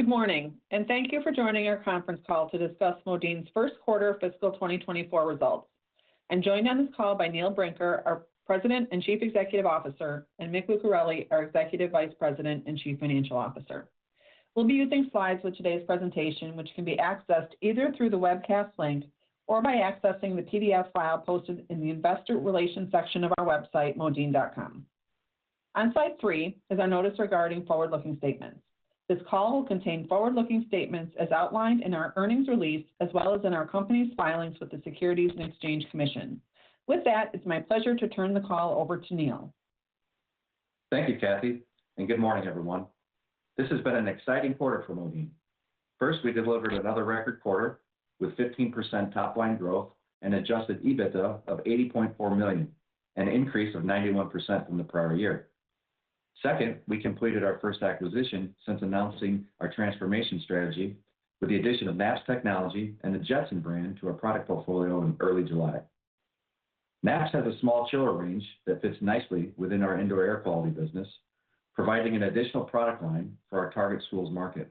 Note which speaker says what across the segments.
Speaker 1: Good morning, thank you for joining our conference call to discuss Modine's First Quarter fiscal 2024 results. I'm joined on this call by Neil Brinker, our President and Chief Executive Officer, and Mick Lucareli, our Executive Vice President and Chief Financial Officer. We'll be using slides for today's presentation, which can be accessed either through the webcast link or by accessing the PDF file posted in the Investor Relations section of our website, modine.com. On slide three is our notice regarding forward-looking statements. This call will contain forward-looking statements as outlined in our earnings release, as well as in our company's filings with the Securities and Exchange Commission. With that, it's my pleasure to turn the call over to Neil.
Speaker 2: Thank you, Kathy, and good morning, everyone. This has been an exciting quarter for Modine. First, we delivered another record quarter with 15% top line growth and adjusted EBITDA of $80.4 million, an increase of 91% from the prior year. Second, we completed our first acquisition since announcing our transformation strategy with the addition of Napps Technology and the Jetson brand to our product portfolio in early July. Napps has a small chiller range that fits nicely within our indoor air quality business, providing an additional product line for our target schools market.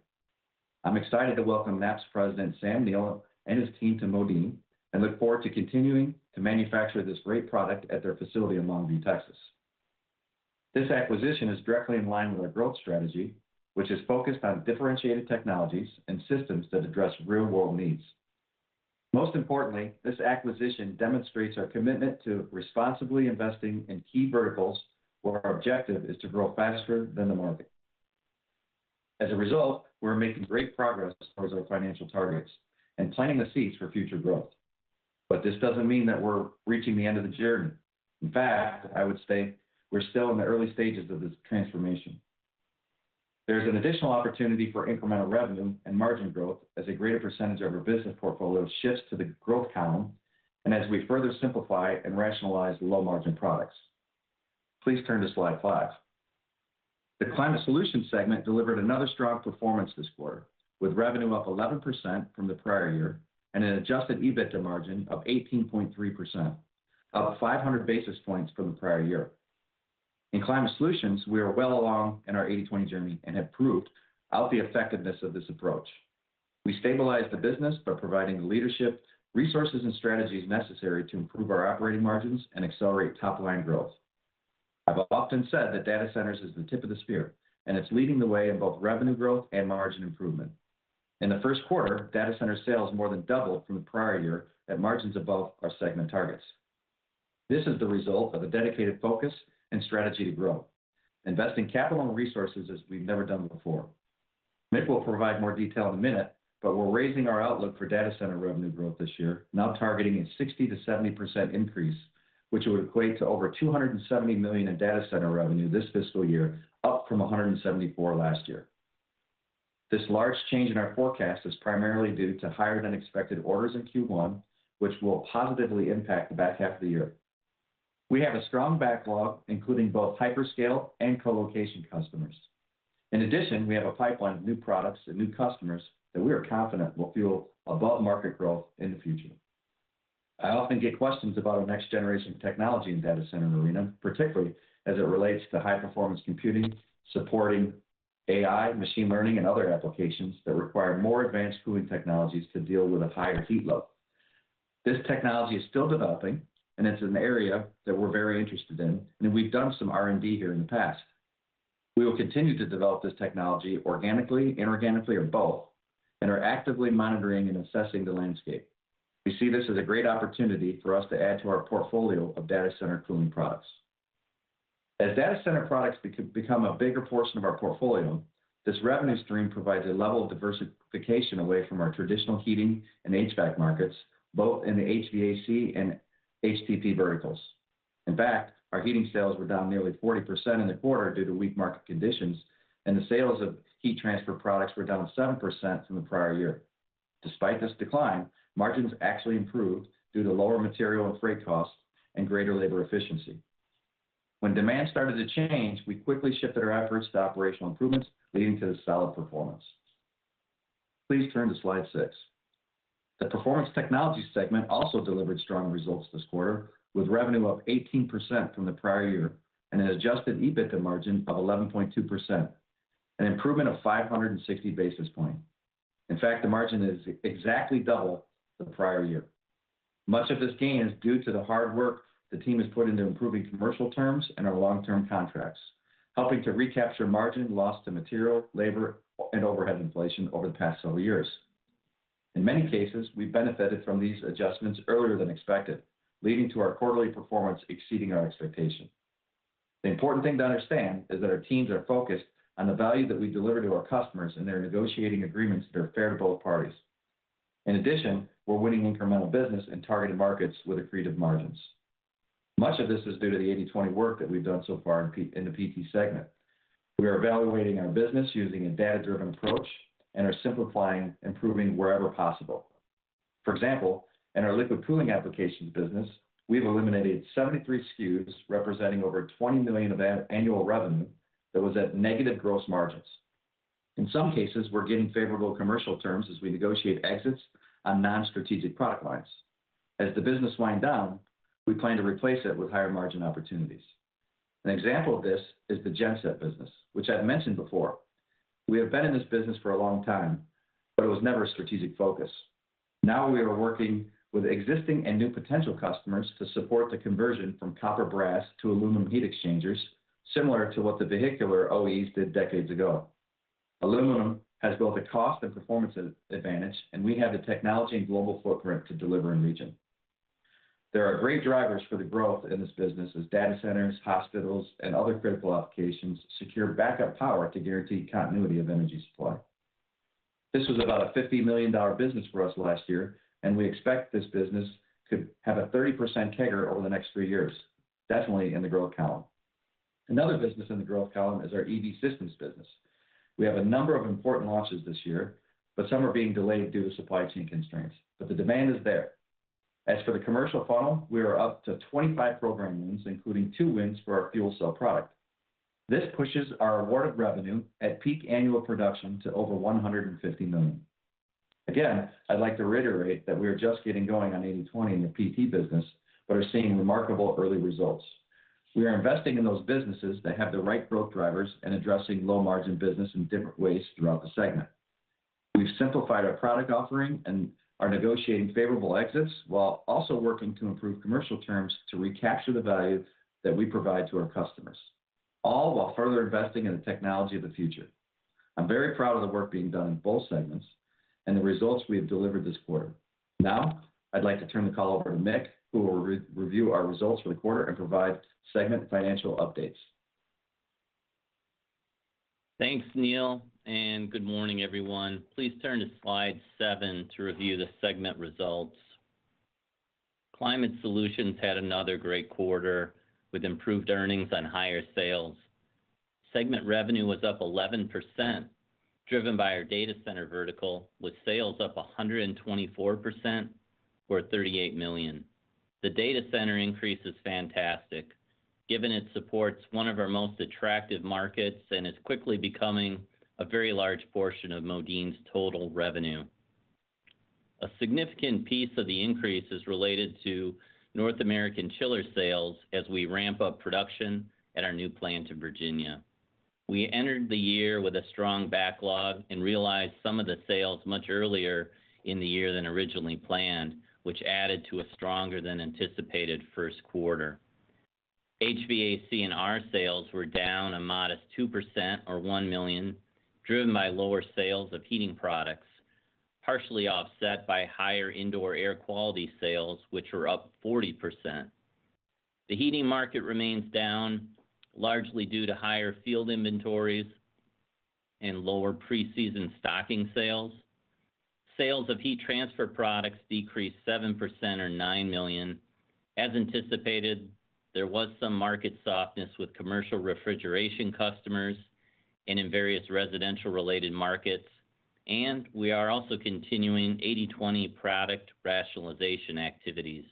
Speaker 2: I'm excited to welcome Napps President, Sam Neale, and his team to Modine, and look forward to continuing to manufacture this great product at their facility in Longview, Texas. This acquisition is directly in line with our growth strategy, which is focused on differentiated technologies and systems that address real-world needs. Most importantly, this acquisition demonstrates our commitment to responsibly investing in key verticals, where our objective is to grow faster than the market. As a result, we're making great progress towards our financial targets and planting the seeds for future growth. This doesn't mean that we're reaching the end of the journey. In fact, I would say we're still in the early stages of this transformation. There's an additional opportunity for incremental revenue and margin growth as a greater percentage of our business portfolio shifts to the growth column, and as we further simplify and rationalize the low-margin products. Please turn to slide five. The Climate Solutions segment delivered another strong performance this quarter, with revenue up 11% from the prior year, and an adjusted EBITDA margin of 18.3%, up 500 basis points from the prior year. In Climate Solutions, we are well along in our 80/20 journey and have proved out the effectiveness of this approach. We stabilized the business by providing the leadership, resources, and strategies necessary to improve our operating margins and accelerate top-line growth. I've often said that data centers is the tip of the spear, and it's leading the way in both revenue growth and margin improvement. In the first quarter, data center sales more than doubled from the prior year at margins above our segment targets. This is the result of a dedicated focus and strategy to grow, investing capital and resources as we've never done before. Mick will provide more detail in a minute, we're raising our outlook for data center revenue growth this year, now targeting a 60%-70% increase, which would equate to over $270 million in data center revenue this fiscal year, up from $174 last year. This large change in our forecast is primarily due to higher-than-expected orders in Q1, which will positively impact the back half of the year. We have a strong backlog, including both hyperscale and colocation customers. In addition, we have a pipeline of new products and new customers that we are confident will fuel above-market growth in the future. I often get questions about our next-generation technology in data center arena, particularly as it relates to high-performance computing, supporting AI, machine learning, and other applications that require more advanced cooling technologies to deal with a higher heat load. This technology is still developing, it's an area that we're very interested in, and we've done some R&D here in the past. We will continue to develop this technology organically, inorganically, or both, and are actively monitoring and assessing the landscape. We see this as a great opportunity for us to add to our portfolio of data center cooling products. As data center products become a bigger portion of our portfolio, this revenue stream provides a level of diversification away from our traditional heating and HVAC markets, both in the HVAC and HTP verticals. In fact, our heating sales were down nearly 40% in the quarter due to weak market conditions, and the sales of heat transfer products were down 7% from the prior year. Despite this decline, margins actually improved due to lower material and freight costs and greater labor efficiency. When demand started to change, we quickly shifted our efforts to operational improvements, leading to this solid performance. Please turn to slide six. The Performance Technologies segment also delivered strong results this quarter, with revenue up 18% from the prior year, and an adjusted EBITDA margin of 11.2%, an improvement of 560 basis points. In fact, the margin is exactly double the prior year. Much of this gain is due to the hard work the team has put into improving commercial terms and our long-term contracts, helping to recapture margin lost to material, labor, and overhead inflation over the past several years. In many cases, we benefited from these adjustments earlier than expected, leading to our quarterly performance exceeding our expectation. The important thing to understand is that our teams are focused on the value that we deliver to our customers, and they're negotiating agreements that are fair to both parties. In addition, we're winning incremental business in targeted markets with accretive margins. Much of this is due to the 80/20 work that we've done so far in the PT segment. We are evaluating our business using a data-driven approach and are simplifying, improving wherever possible. For example, in our liquid cooling applications business, we've eliminated 73 SKUs, representing over $20 million of annual revenue that was at negative gross margins. In some cases, we're getting favorable commercial terms as we negotiate exits on non-strategic product lines. As the business wind down, we plan to replace it with higher-margin opportunities. An example of this is the genset business, which I've mentioned before. We have been in this business for a long time, but it was never a strategic focus. Now we are working with existing and new potential customers to support the conversion from copper brass to aluminum heat exchangers, similar to what the vehicular OEs did decades ago. Aluminum has both a cost and performance advantage, and we have the technology and global footprint to deliver in region. There are great drivers for the growth in this business as data centers, hospitals, and other critical applications secure backup power to guarantee continuity of energy supply. This was about a $50 million business for us last year, and we expect this business to have a 30% CAGR over the next three years. Definitely in the growth column. Another business in the growth column is our EV Systems business. We have a number of important launches this year, some are being delayed due to supply chain constraints, the demand is there. As for the commercial funnel, we are up to 25 program wins, including two wins for our fuel cell product. This pushes our awarded revenue at peak annual production to over $150 million. Again, I'd like to reiterate that we are just getting going on 80/20 in the PT business, are seeing remarkable early results. We are investing in those businesses that have the right growth drivers and addressing low-margin business in different ways throughout the segment. We've simplified our product offering and are negotiating favorable exits, while also working to improve commercial terms to recapture the value that we provide to our customers, all while further investing in the technology of the future. I'm very proud of the work being done in both segments and the results we have delivered this quarter. Now, I'd like to turn the call over to Mick, who will review our results for the quarter and provide segment financial updates.
Speaker 3: Thanks, Neil, and good morning, everyone. Please turn to slide seven to review the segment results. Climate Solutions had another great quarter with improved earnings on higher sales. Segment revenue was up 11%, driven by our data center vertical, with sales up 124%, or $38 million. The data center increase is fantastic, given it supports one of our most attractive markets and is quickly becoming a very large portion of Modine's total revenue. A significant piece of the increase is related to North American chiller sales as we ramp up production at our new plant in Virginia. We entered the year with a strong backlog and realized some of the sales much earlier in the year than originally planned, which added to a stronger than anticipated first quarter. HVAC and R sales were down a modest 2%, or $1 million, driven by lower sales of heating products, partially offset by higher indoor air quality sales, which were up 40%. The heating market remains down, largely due to higher field inventories and lower preseason stocking sales. Sales of heat transfer products decreased 7%, or $9 million. As anticipated, there was some market softness with commercial refrigeration customers and in various residential-related markets. We are also continuing 80/20 product rationalization activities.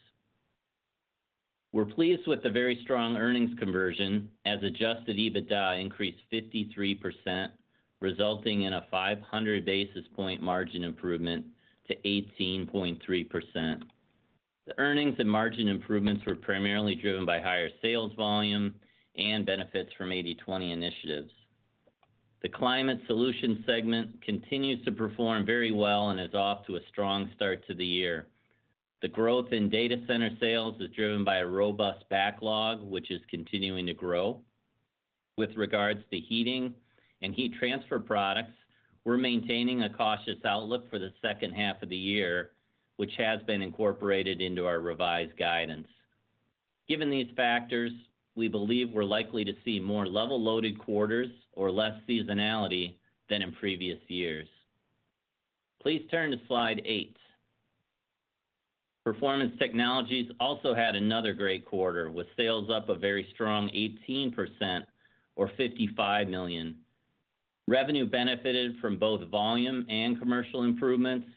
Speaker 3: We're pleased with the very strong earnings conversion, as adjusted EBITDA increased 53%, resulting in a 500 basis point margin improvement to 18.3%. The earnings and margin improvements were primarily driven by higher sales volume and benefits from 80/20 initiatives. The Climate Solution segment continues to perform very well and is off to a strong start to the year. The growth in data center sales is driven by a robust backlog, which is continuing to grow. With regards to heating and heat transfer products, we're maintaining a cautious outlook for the second half of the year, which has been incorporated into our revised guidance. Given these factors, we believe we're likely to see more level-loaded quarters or less seasonality than in previous years. Please turn to slide eight. Performance Technologies also had another great quarter, with sales up a very strong 18%, or $55 million. Revenue benefited from both volume and commercial improvements,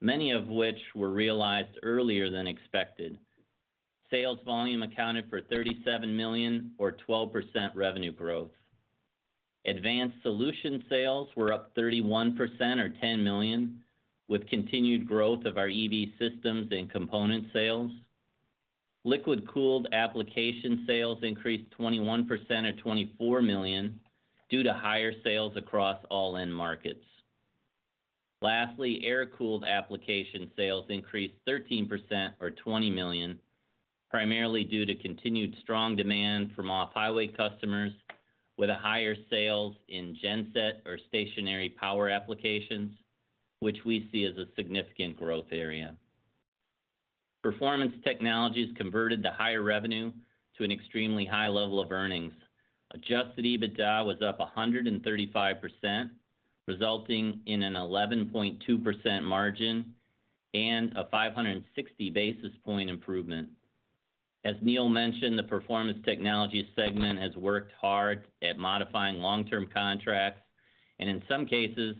Speaker 3: many of which were realized earlier than expected. Sales volume accounted for $37 million, or 12% revenue growth. Advanced Solutions sales were up 31%, or $10 million, with continued growth of our EV Systems and component sales. Liquid-cooled application sales increased 21%, or $24 million, due to higher sales across all end markets. Lastly, air-cooled application sales increased 13%, or $20 million, primarily due to continued strong demand from off-highway customers with a higher sales in genset or stationary power applications, which we see as a significant growth area. Performance Technologies converted the higher revenue to an extremely high level of earnings. Adjusted EBITDA was up 135%, resulting in an 11.2% margin and a 560 basis point improvement. As Neil mentioned, the Performance Technologies segment has worked hard at modifying long-term contracts, and in some cases,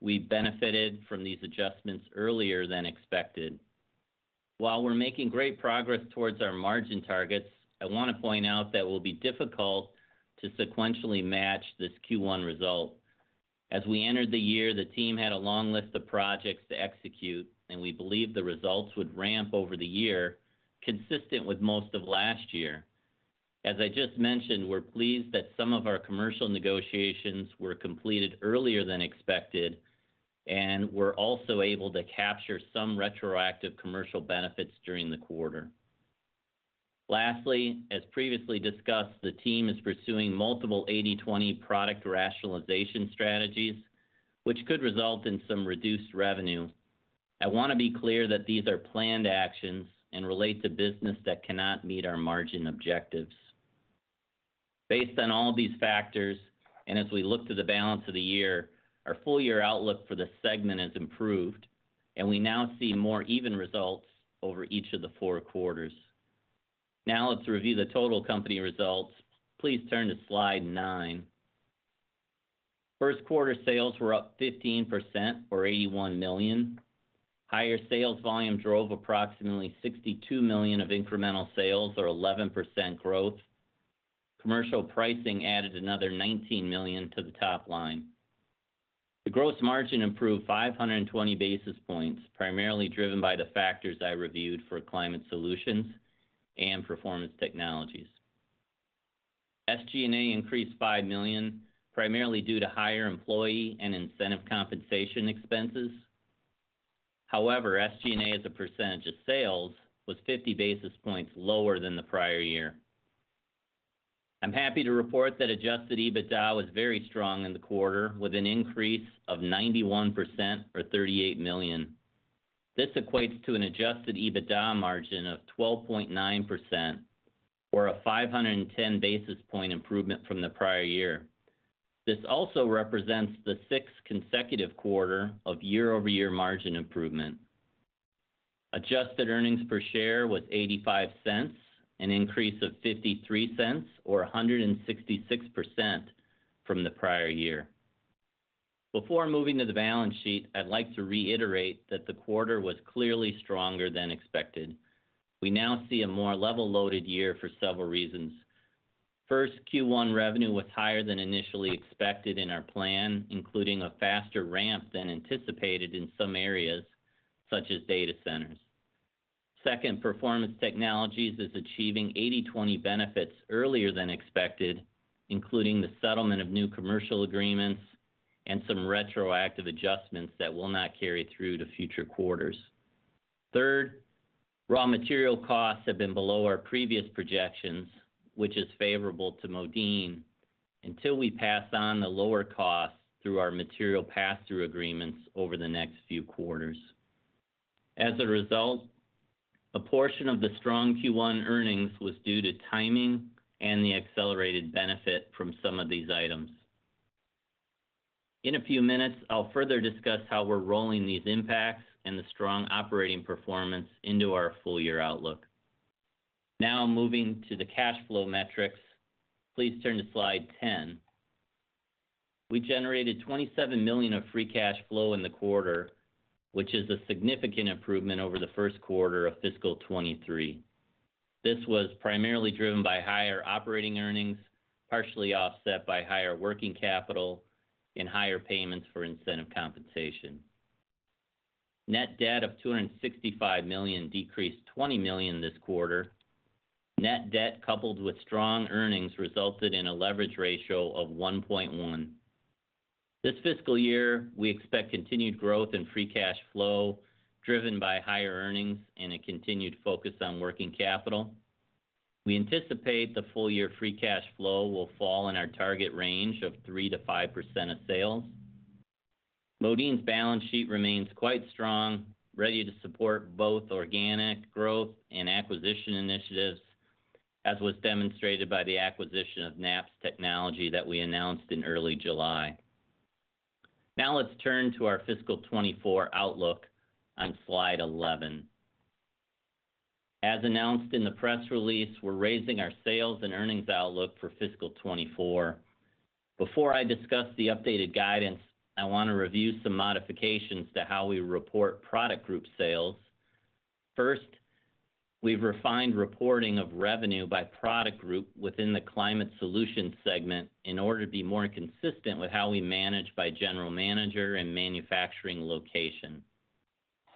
Speaker 3: we've benefited from these adjustments earlier than expected. While we're making great progress towards our margin targets, I want to point out that it will be difficult to sequentially match this Q1 result.... As we entered the year, the team had a long list of projects to execute, and we believed the results would ramp over the year, consistent with most of last year. As I just mentioned, we're pleased that some of our commercial negotiations were completed earlier than expected, and we're also able to capture some retroactive commercial benefits during the quarter. Lastly, as previously discussed, the team is pursuing multiple 80/20 product rationalization strategies, which could result in some reduced revenue. I want to be clear that these are planned actions and relate to business that cannot meet our margin objectives. Based on all these factors, and as we look to the balance of the year, our full year outlook for the segment has improved, and we now see more even results over each of the four quarters. Let's review the total company results. Please turn to slide nine. First quarter sales were up 15%, or $81 million. Higher sales volume drove approximately $62 million of incremental sales, or 11% growth. Commercial pricing added another $19 million to the top line. The gross margin improved 520 basis points, primarily driven by the factors I reviewed for Climate Solutions and Performance Technologies. SG&A increased $5 million, primarily due to higher employee and incentive compensation expenses. SG&A as a percentage of sales, was 50 basis points lower than the prior year. I'm happy to report that adjusted EBITDA was very strong in the quarter, with an increase of 91% or $38 million. This equates to an adjusted EBITDA margin of 12.9%, or a 510 basis point improvement from the prior year. This also represents the sixth consecutive quarter of year-over-year margin improvement. Adjusted earnings per share was $0.85, an increase of 0.53 or 166% from the prior year. Before moving to the balance sheet, I'd like to reiterate that the quarter was clearly stronger than expected. We now see a more level-loaded year for several reasons. First, Q1 revenue was higher than initially expected in our plan, including a faster ramp than anticipated in some areas, such as data centers. Second, Performance Technologies is achieving 80/20 benefits earlier than expected, including the settlement of new commercial agreements and some retroactive adjustments that will not carry through to future quarters. Third, raw material costs have been below our previous projections, which is favorable to Modine, until we pass on the lower costs through our material pass-through agreements over the next few quarters. As a result, a portion of the strong Q1 earnings was due to timing and the accelerated benefit from some of these items. In a few minutes, I'll further discuss how we're rolling these impacts and the strong operating performance into our full year outlook. Moving to the cash flow metrics. Please turn to slide 10. We generated $27 million of free cash flow in the quarter, which is a significant improvement over the first quarter of fiscal 2023. This was primarily driven by higher operating earnings, partially offset by higher working capital and higher payments for incentive compensation. Net debt of $265 million decreased 20 million this quarter. Net debt, coupled with strong earnings, resulted in a leverage ratio of 1.1. This fiscal year, we expect continued growth in free cash flow, driven by higher earnings and a continued focus on working capital. We anticipate the full-year free cash flow will fall in our target range of 3%-5% of sales. Modine's balance sheet remains quite strong, ready to support both organic growth and acquisition initiatives, as was demonstrated by the acquisition of Napps Technology that we announced in early July. Let's turn to our fiscal 24 outlook on slide 11. As announced in the press release, we're raising our sales and earnings outlook for fiscal 24. Before I discuss the updated guidance, I want to review some modifications to how we report product group sales. First, we've refined reporting of revenue by product group within the Climate Solutions segment in order to be more consistent with how we manage by general manager and manufacturing location.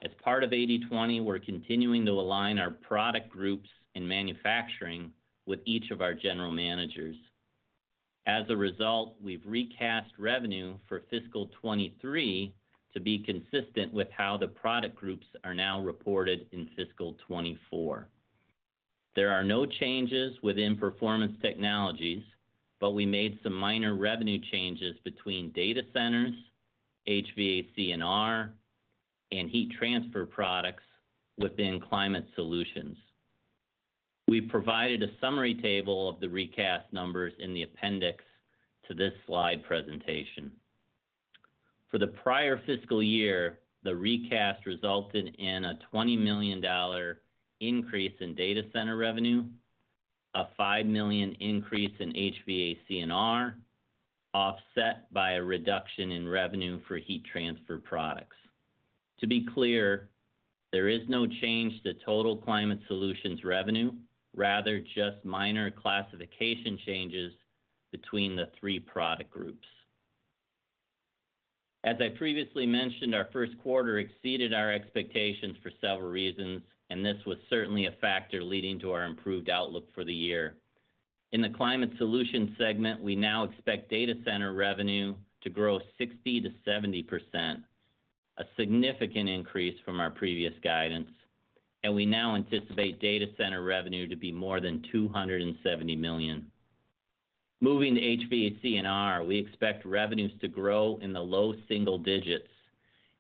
Speaker 3: As part of 80/20, we're continuing to align our product groups in manufacturing with each of our general managers. As a result, we've recast revenue for fiscal 2023 to be consistent with how the product groups are now reported in fiscal 2024. There are no changes within Performance Technologies, but we made some minor revenue changes between data centers, HVAC and R, and heat transfer products within Climate Solutions. We provided a summary table of the recast numbers in the appendix to this slide presentation. For the prior fiscal year, the recast resulted in a $20 million increase in data center revenue, a $5 million increase in HVAC and R, offset by a reduction in revenue for heat transfer products. To be clear, there is no change to total Climate Solutions revenue, rather just minor classification changes between the three product groups. As I previously mentioned, our first quarter exceeded our expectations for several reasons, and this was certainly a factor leading to our improved outlook for the year. In the Climate Solutions segment, we now expect data center revenue to grow 60%-70%, a significant increase from our previous guidance, and we now anticipate data center revenue to be more than $270 million. Moving to HVAC&R, we expect revenues to grow in the low single digits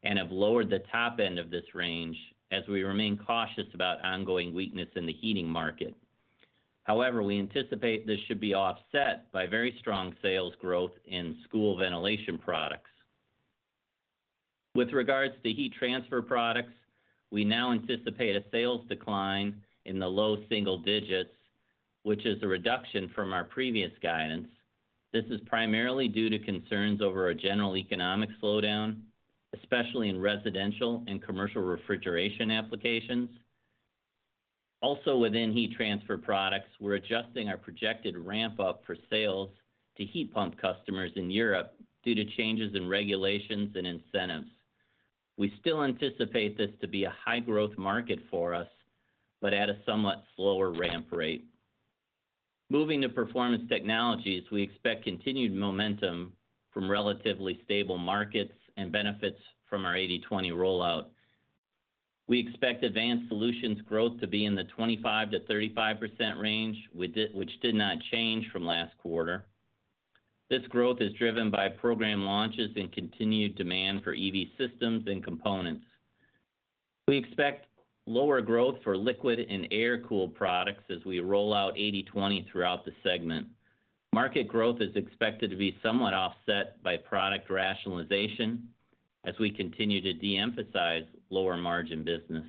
Speaker 3: and have lowered the top end of this range as we remain cautious about ongoing weakness in the heating market. However, we anticipate this should be offset by very strong sales growth in school ventilation products. With regards to heat transfer products, we now anticipate a sales decline in the low single digits, which is a reduction from our previous guidance. This is primarily due to concerns over a general economic slowdown, especially in residential and commercial refrigeration applications. Also, within heat transfer products, we're adjusting our projected ramp-up for sales to heat pump customers in Europe due to changes in regulations and incentives. We still anticipate this to be a high-growth market for us, but at a somewhat slower ramp rate. Moving to Performance Technologies, we expect continued momentum from relatively stable markets and benefits from our 80/20 rollout. We expect Advanced Solutions growth to be in the 25%-35% range, which did not change from last quarter. This growth is driven by program launches and continued demand for EV Systems and components. We expect lower growth for liquid and air-cooled products as we roll out 80/20 throughout the segment. Market growth is expected to be somewhat offset by product rationalization as we continue to de-emphasize lower-margin business.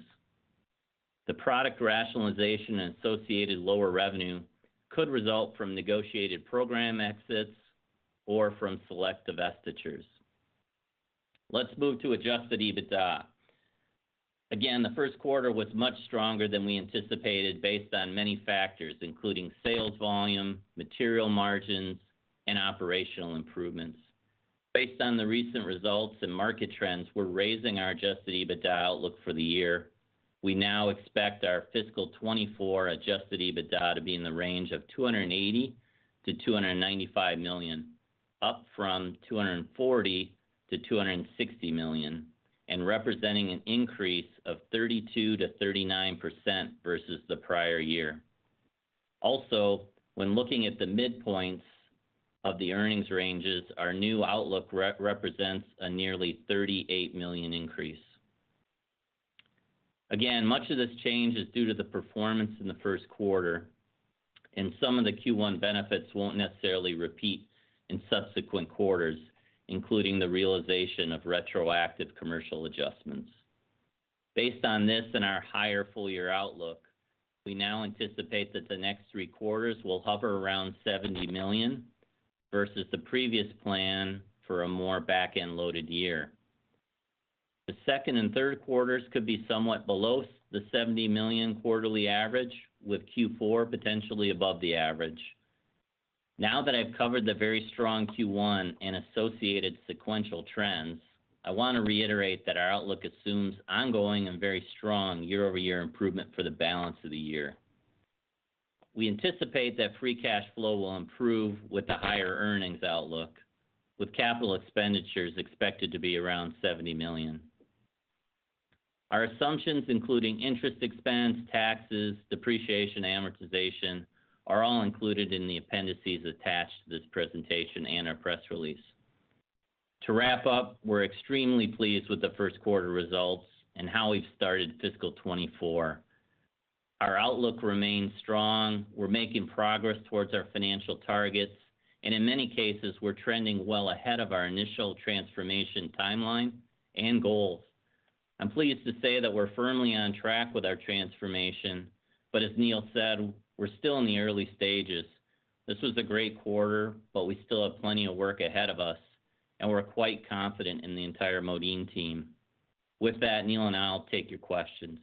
Speaker 3: The product rationalization and associated lower revenue could result from negotiated program exits or from select divestitures. Let's move to adjusted EBITDA. Again, the first quarter was much stronger than we anticipated, based on many factors, including sales volume, material margins, and operational improvements. Based on the recent results and market trends, we're raising our adjusted EBITDA outlook for the year. We now expect our fiscal 2024 adjusted EBITDA to be in the range of $280 million-295 million, up from $240 million-260 million, and representing an increase of 32%-39% versus the prior year. When looking at the midpoints of the earnings ranges, our new outlook represents a nearly $38 million increase. Again, much of this change is due to the performance in the first quarter, and some of the Q1 benefits won't necessarily repeat in subsequent quarters, including the realization of retroactive commercial adjustments. Based on this and our higher full-year outlook, we now anticipate that the next three quarters will hover around $70 million, versus the previous plan for a more back-end-loaded year. The second and third quarters could be somewhat below the $70 million quarterly average, with Q4 potentially above the average. Now that I've covered the very strong Q1 and associated sequential trends, I want to reiterate that our outlook assumes ongoing and very strong year-over-year improvement for the balance of the year. We anticipate that free cash flow will improve with the higher earnings outlook, with capital expenditures expected to be around $70 million. Our assumptions, including interest expense, taxes, depreciation, and amortization, are all included in the appendices attached to this presentation and our press release. To wrap up, we're extremely pleased with the first quarter results and how we've started fiscal 2024. Our outlook remains strong. We're making progress towards our financial targets, and in many cases, we're trending well ahead of our initial transformation timeline and goals. I'm pleased to say that we're firmly on track with our transformation, but as Neil said, we're still in the early stages. This was a great quarter, but we still have plenty of work ahead of us, and we're quite confident in the entire Modine team. With that, Neil, and I'll take your questions.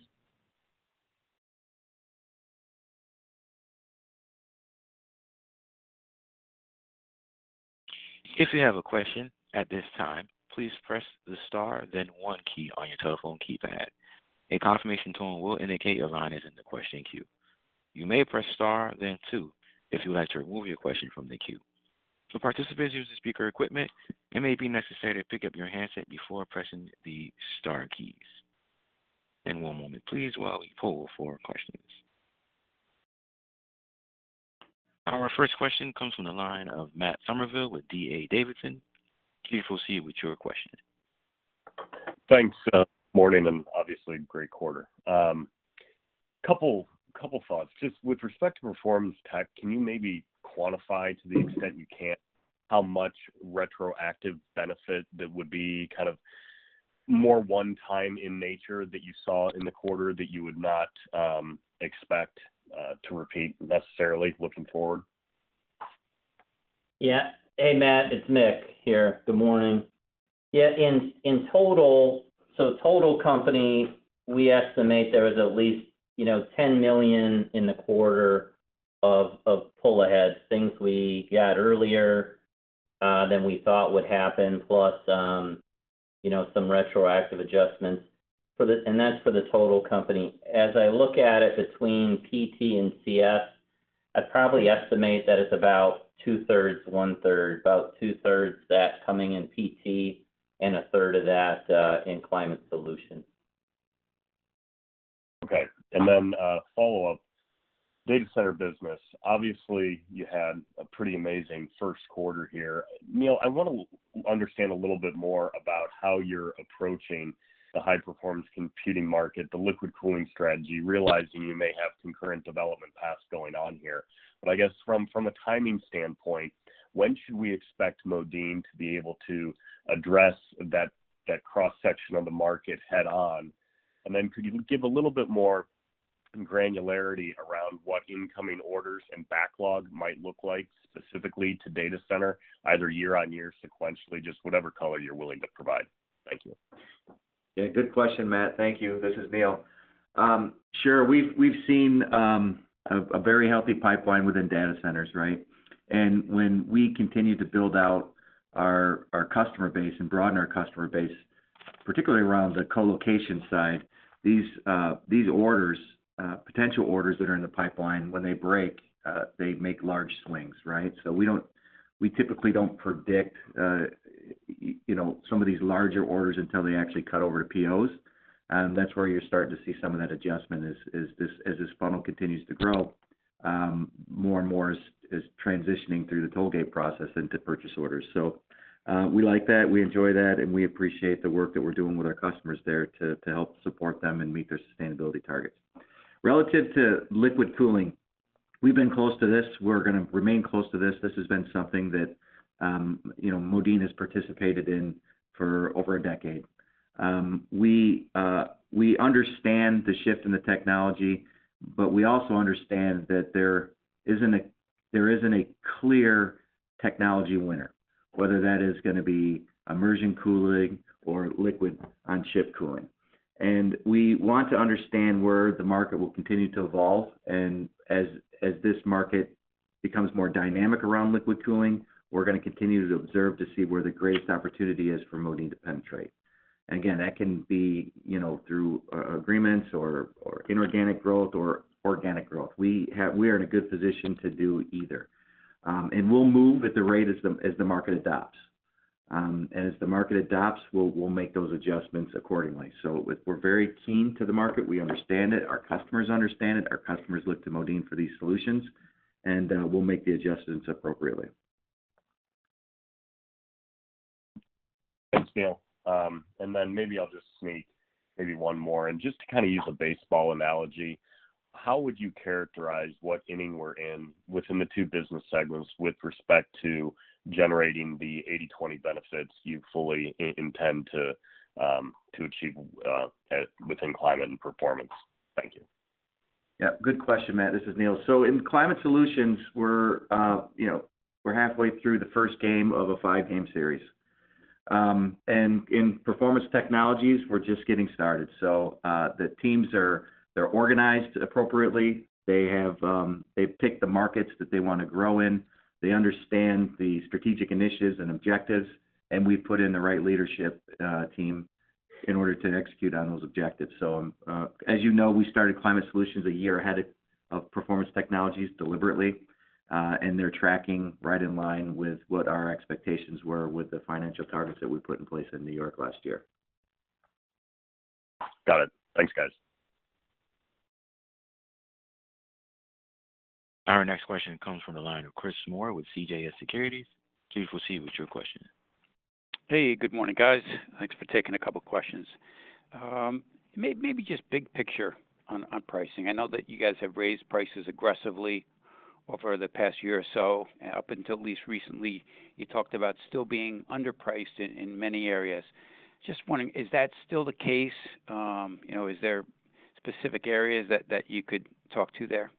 Speaker 4: If you have a question at this time, please press the star, then one key on your telephone keypad. A confirmation tone will indicate your line is in the question queue. You may press star, then two, if you would like to remove your question from the queue. For participants using speaker equipment, it may be necessary to pick up your handset before pressing the star keys. One moment, please, while we poll for questions. Our first question comes from the line of Matt Summerville with D.A. Davidson. Please proceed with your question.
Speaker 5: Thanks. Morning. Obviously, great quarter. Couple, couple thoughts. Just with respect to Performance Tech, can you maybe quantify, to the extent you can, how much retroactive benefit that would be kind of more one-time in nature that you saw in the quarter, that you would not, expect, to repeat necessarily looking forward?
Speaker 3: Hey, Matt, it's Mick here. Good morning. In, in total, total company, we estimate there was at least, you know, $10 million in the quarter of pull ahead, things we got earlier than we thought would happen, plus, you know, some retroactive adjustments for the, and that's for the total company. As I look at it between PT and CS, I'd probably estimate that it's about two-thirds, one-third, about two-thirds of that coming in PT and a third of that in Climate Solutions.
Speaker 5: Okay. Follow-up. Data center business, obviously, you had a pretty amazing first quarter here. Neil, I want to understand a little bit more about how you're approaching the high-performance computing market, the liquid cooling strategy, realizing you may have concurrent development paths going on here. I guess from, from a timing standpoint, when should we expect Modine to be able to address that, that cross-section of the market head-on? Could you give a little bit more granularity around what incoming orders and backlog might look like, specifically to data center, either year-on-year, sequentially, just whatever color you're willing to provide? Thank you.
Speaker 2: Yeah, good question, Matt. Thank you. This is Neil. Sure. We've, we've seen, a, a very healthy pipeline within data centers, right? When we continue to build out our, our customer base and broaden our customer base, particularly around the co-location side, these, these orders, potential orders that are in the pipeline, when they break, they make large swings, right? We don't-- we typically don't predict, you know, some of these larger orders until they actually cut over to POs, and that's where you're starting to see some of that adjustment is, is this-- as this funnel continues to grow, more and more is, is transitioning through the tollgate process into purchase orders. we like that, we enjoy that, and we appreciate the work that we're doing with our customers there to, to help support them and meet their sustainability targets. Relative to liquid cooling, we've been close to this. We're gonna remain close to this. This has been something that, you know, Modine has participated in for over a decade. We understand the shift in the technology, but we also understand that there isn't a clear technology winner, whether that is gonna be immersion cooling or liquid on-chip cooling. We want to understand where the market will continue to evolve, and as, as this market becomes more dynamic around liquid cooling, we're gonna continue to observe to see where the greatest opportunity is for Modine to penetrate. Again, that can be, you know, through agreements or, or inorganic growth or organic growth. We are in a good position to do either. And we'll move at the rate as the, as the market adopts. As the market adopts, we'll, we'll make those adjustments accordingly. We're very keen to the market. We understand it, our customers understand it, our customers look to Modine for these solutions, and we'll make the adjustments appropriately.
Speaker 5: Thanks, Neil. Then maybe I'll just sneak maybe one more. Just to kind of use a baseball analogy, how would you characterize what inning we're in within the two business segments with respect to generating the 80/20 benefits you fully intend to, to achieve, within climate and performance? Thank you.
Speaker 2: Yeah, good question, Matt. This is Neil. In Climate Solutions, we're, you know, we're halfway through the first game of a 5-game series. In Performance Technologies, we're just getting started. The teams are they're organized appropriately. They have they've picked the markets that they wanna grow in, they understand the strategic initiatives and objectives, and we've put in the right leadership team in order to execute on those objectives. As you know, we started Climate Solutions a year ahead of, of Performance Technologies deliberately, they're tracking right in line with what our expectations were with the financial targets that we put in place in New York last year.
Speaker 5: Got it. Thanks, guys.
Speaker 4: Our next question comes from the line of Chris Moore with CJS Securities. Please proceed with your question.
Speaker 6: Hey, good morning, guys. Thanks for taking a couple questions. Maybe just big picture on, on pricing. I know that you guys have raised prices aggressively over the past year or so, up until at least recently, you talked about still being underpriced in, in many areas. Just wondering, is that still the case? You know, is there specific areas that, that you could talk to there?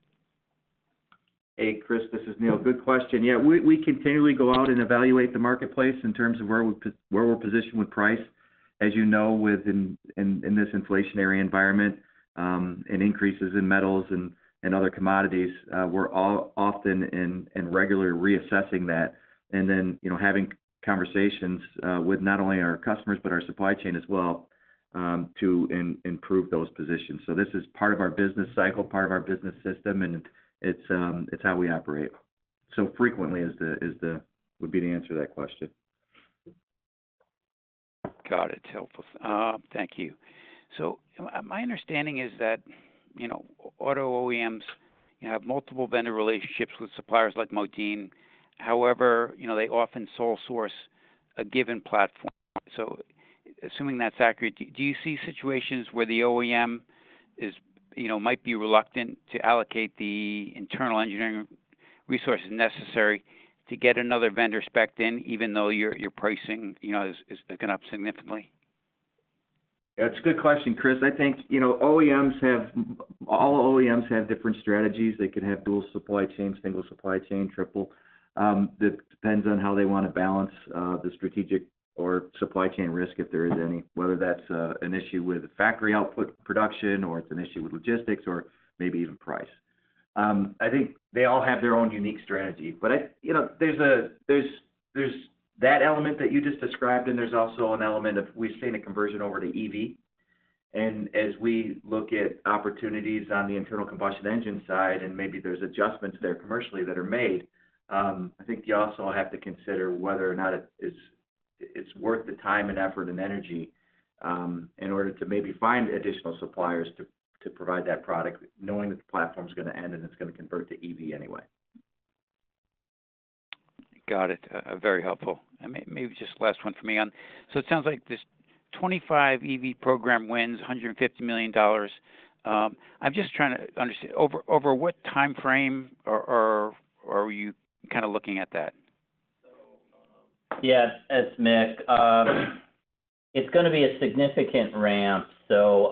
Speaker 2: Hey, Chris, this is Neil. Good question. Yeah, we, we continually go out and evaluate the marketplace in terms of where we're positioned with price. As you know, with in, in, in this inflationary environment, and increases in metals and, and other commodities, we're all often and, and regularly reassessing that, and then, you know, having conversations with not only our customers, but our supply chain as well, to improve those positions. This is part of our business cycle, part of our business system, and it's, it's how we operate so frequently would be the answer to that question.
Speaker 6: Got it. Helpful. Thank you. My understanding is that, you know, auto OEMs have multiple vendor relationships with suppliers like Modine. However, you know, they often sole source a given platform. Assuming that's accurate, do, do you see situations where the OEM is, you know, might be reluctant to allocate the internal engineering resources necessary to get another vendor spec'd in, even though your, your pricing, you know, is, is going up significantly?
Speaker 2: That's a good question, Chris. I think, you know, OEMs have, all OEMs have different strategies. They could have dual supply chain, single supply chain, triple. That depends on how they wanna balance the strategic or supply chain risk, if there is any, whether that's an issue with factory output production, or it's an issue with logistics, or maybe even price. I think they all have their own unique strategy, but I, you know, there's a, there's, there's that element that you just described, and there's also an element of we've seen a conversion over to EV. As we look at opportunities on the internal combustion engine side, and maybe there's adjustments there commercially that are made, I think you also have to consider whether or not it, it's, it's worth the time and effort and energy, in order to maybe find additional suppliers to, to provide that product, knowing that the platform's gonna end and it's gonna convert to EV anyway.
Speaker 6: Got it. Very helpful. Just last one for me on... It sounds like this 25 EV program wins $150 million. I'm just trying to understand, over what timeframe are you kinda looking at that?
Speaker 3: Yes, it's Mick. It's gonna be a significant ramp, so,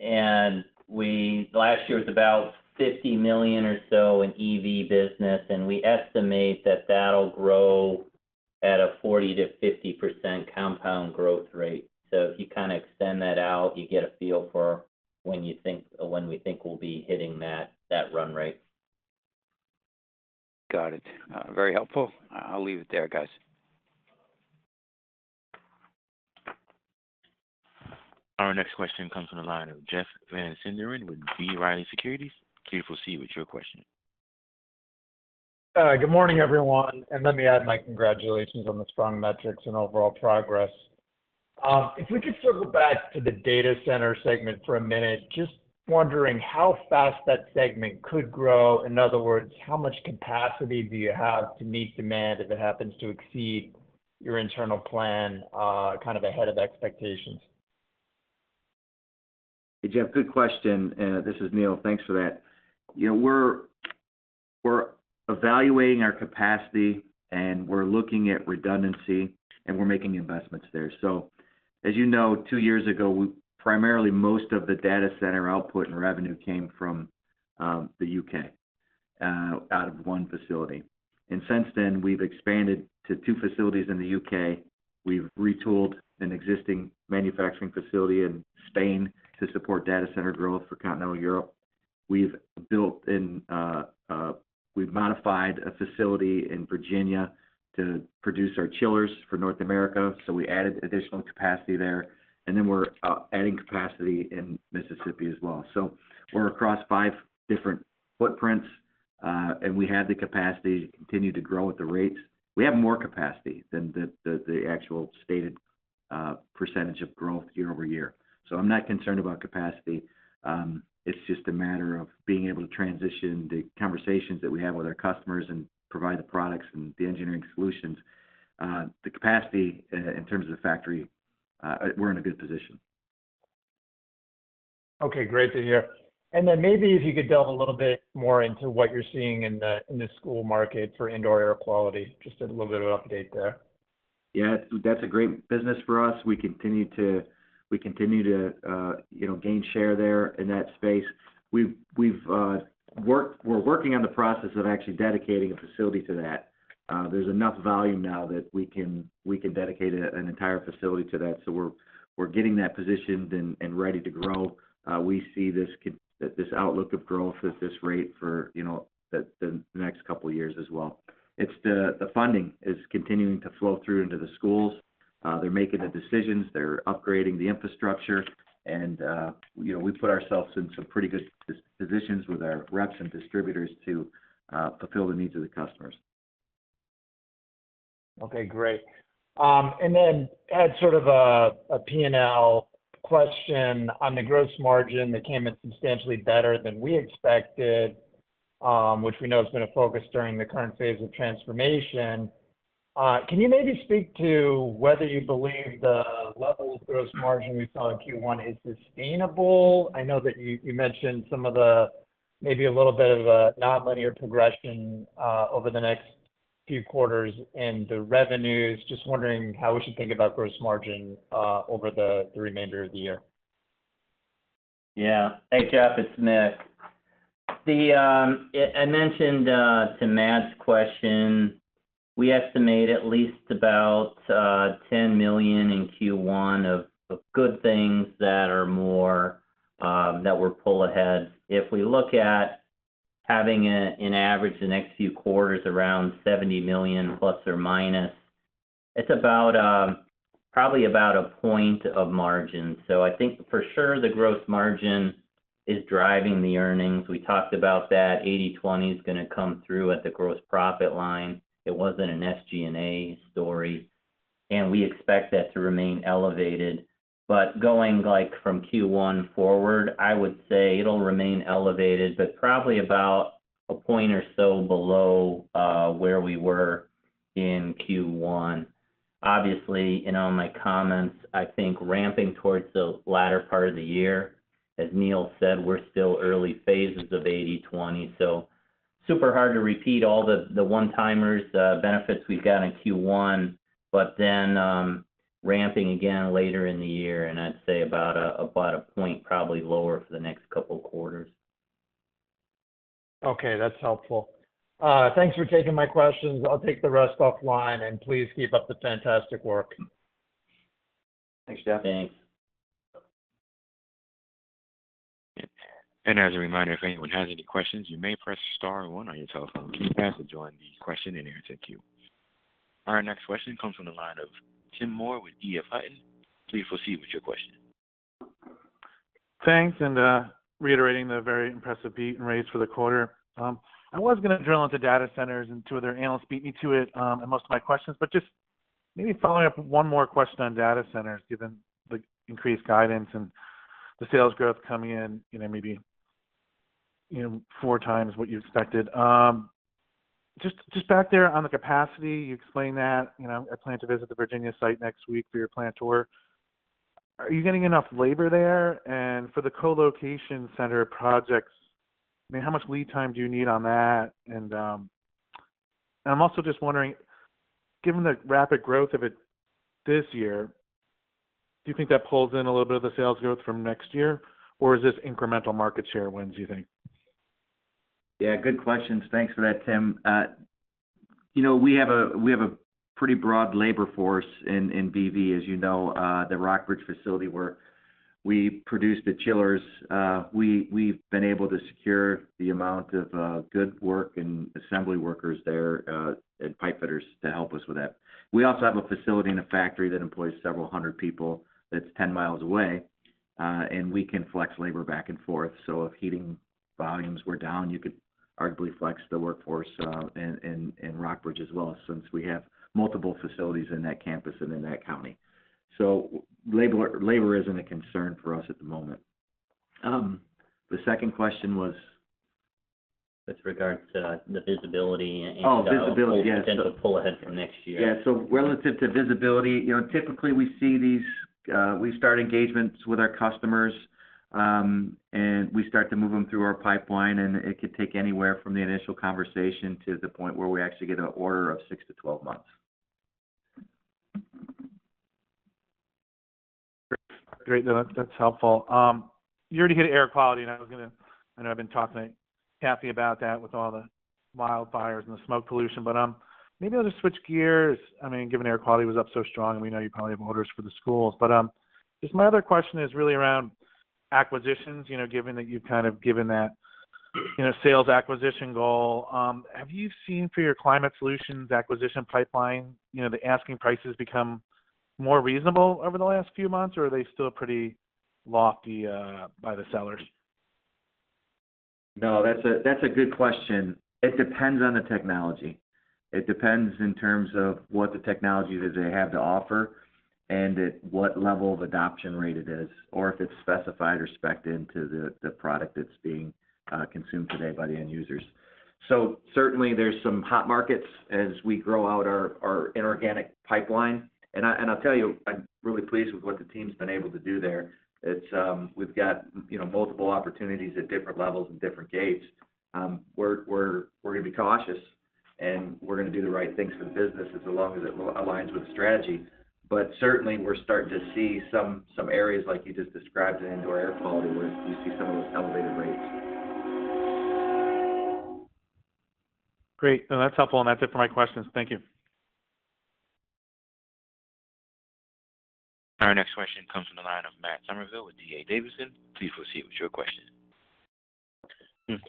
Speaker 3: and we, last year was about $50 million or so in EV business, and we estimate that that'll grow at a 40%-50% compound growth rate. If you kinda extend that out, you get a feel for when you think, when we think we'll be hitting that, that run rate.
Speaker 6: Got it. Very helpful. I'll leave it there, guys.
Speaker 4: Our next question comes from the line of Jeff Van Sinderen with B. Riley Securities. Please proceed with your question.
Speaker 7: Good morning, everyone, and let me add my congratulations on the strong metrics and overall progress. If we could circle back to the data center segment for a minute, just wondering how fast that segment could grow? In other words, how much capacity do you have to meet demand if it happens to exceed your internal plan, kind of ahead of expectations?
Speaker 2: Hey, Jeff, good question. This is Neil. Thanks for that. You know, we're, we're evaluating our capacity, and we're looking at redundancy, and we're making investments there. As you know, two years ago, we primarily, most of the data center output and revenue came from the U.K., out of one facility. Since then, we've expanded to two facilities in the U.K. We've retooled an existing manufacturing facility in Spain to support data center growth for continental Europe. We've modified a facility in Virginia to produce our chillers for North America, so we added additional capacity there, and then we're adding capacity in Mississippi as well. We're across five different footprints, and we have the capacity to continue to grow at the rates. We have more capacity than the actual stated percentage of growth year-over-year. I'm not concerned about capacity. It's just a matter of being able to transition the conversations that we have with our customers and provide the products and the engineering solutions. The capacity in terms of the factory, we're in a good position.
Speaker 7: Okay, great to hear. Maybe if you could delve a little bit more into what you're seeing in the, in the school market for indoor air quality. Just a little bit of update there.
Speaker 2: Yeah, that's a great business for us. We continue to, we continue to, you know, gain share there in that space. We've, we're working on the process of actually dedicating a facility to that. There's enough volume now that we can, we can dedicate an entire facility to that, so we're, we're getting that positioned and ready to grow. We see this outlook of growth at this rate for, you know, the next couple of years as well. It's the funding is continuing to flow through into the schools. They're making the decisions, they're upgrading the infrastructure, and, you know, we put ourselves in some pretty good positions with our reps and distributors to fulfill the needs of the customers.
Speaker 7: Okay, great. I had sort of a, a P&L question on the gross margin that came in substantially better than we expected, which we know has been a focus during the current phase of transformation. Can you maybe speak to whether you believe the level of gross margin we saw in Q1 is sustainable? I know that you, you mentioned some of the maybe a little bit of a non-linear progression over the next few quarters and the revenues. Just wondering how we should think about gross margin over the, the remainder of the year.
Speaker 3: Yeah. Hey, Jeff, it's Mick. The, I, I mentioned to Matt's question, we estimate at least about $10 million in Q1 of, of good things that are more, that were pull ahead. If we look at having a, an average the next few quarters around $70 million ±, it's about, probably about one point of margin. I think for sure the gross margin is driving the earnings. We talked about that. 80/20 is gonna come through at the gross profit line. It wasn't an SG&A story, and we expect that to remain elevated. Going, like, from Q1 forward, I would say it'll remain elevated, but probably about one point or so below, where we were in Q1.
Speaker 5: Obviously, in all my comments, I think ramping towards the latter part of the year, as Neil said, we're still early phases of 80/20. So, super hard to repeat all the, the one-timers, benefits we've got in Q1, but then, ramping again later in the year, and I'd say about a, about a point probably lower for the next couple quarters.
Speaker 7: Okay, that's helpful. Thanks for taking my questions. I'll take the rest offline, and please keep up the fantastic work.
Speaker 2: Thanks, Jeff.
Speaker 3: Thanks.
Speaker 4: As a reminder, if anyone has any questions, you may press star one on your telephone keypad to join the question and answer queue. Our next question comes from the line of Tim Moore with EF Hutton. Please proceed with your question.
Speaker 8: Thanks, reiterating the very impressive beat and raise for the quarter. I was gonna drill into data centers, and two other analysts beat me to it, and most of my questions. Just maybe following up one more question on data centers, given the increased guidance and the sales growth coming in, you know, maybe, you know, four times what you expected. Just, just back there on the capacity, you explained that, you know, I plan to visit the Virginia site next week for your plant tour. Are you getting enough labor there? For the co-location center projects, I mean, how much lead time do you need on that? I'm also just wondering, given the rapid growth of it this year, do you think that pulls in a little bit of the sales growth from next year, or is this incremental market share wins, do you think?
Speaker 2: Yeah, good questions. Thanks for that, Tim. You know, we have a, we have a pretty broad labor force in, in BV, as you know, the Rockbridge facility, where we produce the chillers. We, we've been able to secure the amount of good work and assembly workers there, and pipefitters to help us with that. We also have a facility and a factory that employs several hundred people that's 10 miles away, and we can flex labor back and forth. If heating volumes were down, you could arguably flex the workforce in, in, in Rockbridge as well, since we have multiple facilities in that campus and in that county. Labor, labor isn't a concern for us at the moment. The second question was?
Speaker 3: With regards to the, the visibility and-
Speaker 2: Visibility, yes.
Speaker 3: Potential pull ahead from next year.
Speaker 2: Relative to visibility, you know, typically we see these. We start engagements with our customers, and we start to move them through our pipeline, and it could take anywhere from the initial conversation to the point where we actually get an order of six to 12 months.
Speaker 8: Great. No, that's helpful. You already hit air quality, and I was gonna, I know I've been talking to Kathy about that with all the wildfires and the smoke pollution, but maybe I'll just switch gears. I mean, given air quality was up so strong, and we know you probably have orders for the schools, but just my other question is really around acquisitions. You know, given that you've kind of given that, you know, sales acquisition goal, have you seen for your Climate Solutions acquisition pipeline, you know, the asking prices become more reasonable over the last few months, or are they still pretty lofty by the sellers?
Speaker 2: No, that's a, that's a good question. It depends on the technology. It depends in terms of what the technology does it have to offer, and at what level of adoption rate it is, or if it's specified or spec'd into the, the product that's being, consumed today by the end users. Certainly there's some hot markets as we grow out our, our inorganic pipeline. I, and I'll tell you, I'm really pleased with what the team's been able to do there. It's, we've got, you know, multiple opportunities at different levels and different gates. We're, we're, we're gonna be cautious, and we're gonna do the right things for the business as long as it aligns with strategy. Certainly, we're starting to see some, some areas like you just described in indoor air quality, where you see some of those elevated rates.
Speaker 8: Great. No, that's helpful, and that's it for my questions. Thank you.
Speaker 4: Our next question comes from the line of Matt Summerville with D.A. Davidson. Please proceed with your question.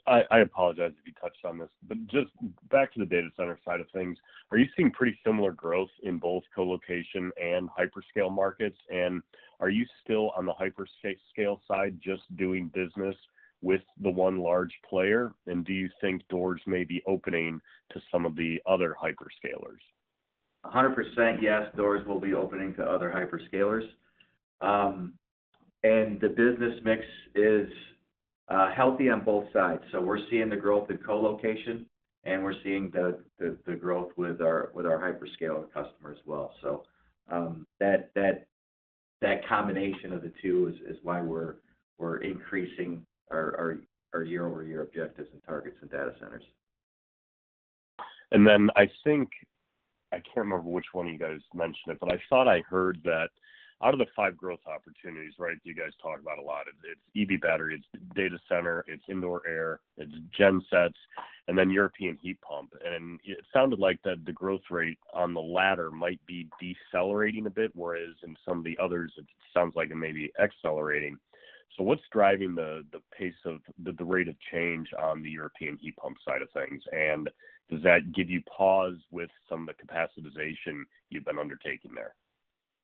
Speaker 5: I apologize if you touched on this, just back to the data center side of things, are you seeing pretty similar growth in both co-location and hyperscale markets? Are you still on the hyperscale side, just doing business with the one large player? Do you think doors may be opening to some of the other hyperscalers?
Speaker 2: 100%, yes, doors will be opening to other hyperscalers. The business mix is healthy on both sides. We're seeing the growth in co-location, and we're seeing the, the, the growth with our, with our hyperscale customers as well. That, that, that combination of the two is, is why we're, we're increasing our, our, our year-over-year objectives and targets in data centers.
Speaker 5: Then I think, I can't remember which one of you guys mentioned it, but I thought I heard that out of the 5 growth opportunities, right, you guys talk about a lot, it's EV battery, it's data center, it's indoor air, it's gensets, and then European heat pump. It sounded like the, the growth rate on the latter might be decelerating a bit, whereas in some of the others, it sounds like it may be accelerating. What's driving the, the pace of the, the rate of change on the European heat pump side of things? Does that give you pause with some of the capacitization you've been undertaking there?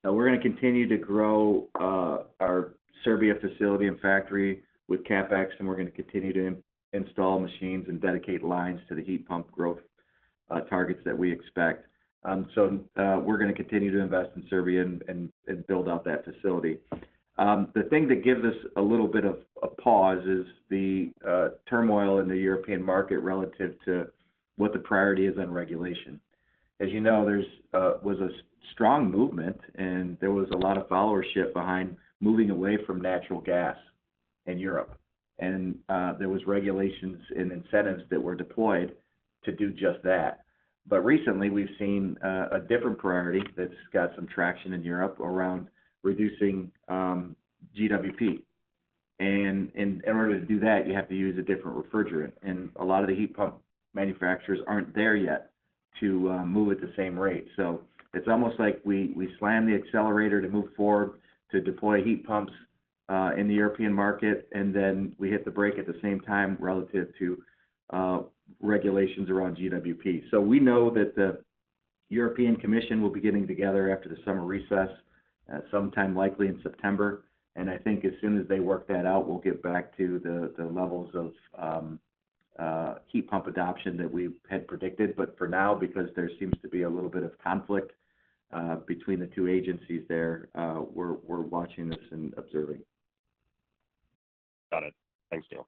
Speaker 2: No, we're gonna continue to grow our Serbia facility and factory with CapEx, and we're gonna continue to install machines and dedicate lines to the heat pump growth targets that we expect. We're gonna continue to invest in Serbia and build out that facility. The thing that gives us a little bit of a pause is the turmoil in the European market relative to what the priority is on regulation. As you know, there was a strong movement, and there was a lot of followership behind moving away from natural gas in Europe. There was regulations and incentives that were deployed to do just that. Recently, we've seen a different priority that's got some traction in Europe around reducing GWP. In order to do that, you have to use a different refrigerant, and a lot of the heat pump manufacturers aren't there yet to move at the same rate. It's almost like we, we slam the accelerator to move forward to deploy heat pumps in the European market, and then we hit the brake at the same time relative to regulations around GWP. We know that the European Commission will be getting together after the summer recess sometime likely in September. I think as soon as they work that out, we'll get back to the, the levels of heat pump adoption that we had predicted. For now, because there seems to be a little bit of conflict between the two agencies there, we're, we're watching this and observing.
Speaker 5: Got it. Thanks, Neil.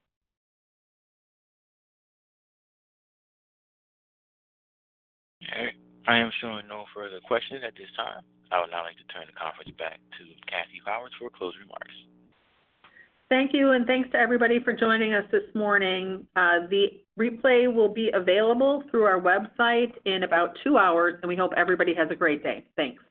Speaker 4: Okay, I am showing no further questions at this time. I would now like to turn the conference back to Kathy Powers for closing remarks.
Speaker 1: Thank you. Thanks to everybody for joining us this morning. The replay will be available through our website in about two hours. We hope everybody has a great day. Thanks.